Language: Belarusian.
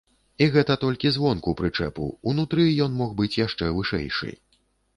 І гэта толькі звонку прычэпу, унутры ён мог быць яшчэ вышэйшы.